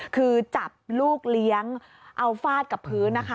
คือจับลูกเลี้ยงเอาฟาดกับพื้นนะคะ